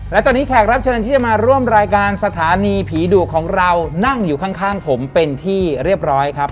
และตอนนี้แขกรับเชิญที่จะมาร่วมรายการสถานีผีดุของเรานั่งอยู่ข้างผมเป็นที่เรียบร้อยครับ